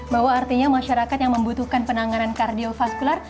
bahwa artinya masyarakat yang membutuhkan penanganan kardiofaskular